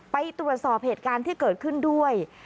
ไปตรวจสอบเหตุการณ์ที่เกิดขึ้นด้วย